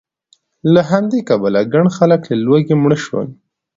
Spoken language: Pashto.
له همدې کبله ګڼ خلک له لوږې مړه شول